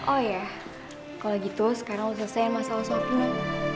oh iya kalo gitu sekarang lo selesain masalah sopinan